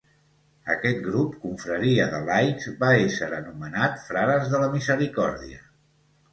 Aquest grup, confraria de laics, va ésser anomenat Frares de la Misericòrdia.